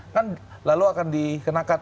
kan lalu akan dikenakan